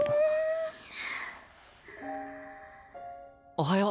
おはよう。